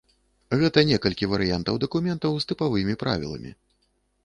Гэта некалькі варыянтаў дакументаў з тыпавымі правіламі.